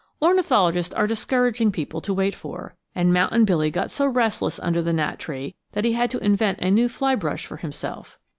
Ornithologists are discouraging people to wait for, and Mountain Billy got so restless under the gnat tree that he had to invent a new fly brush for himself.